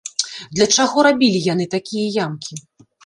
Для чаго рабілі яны такія ямкі?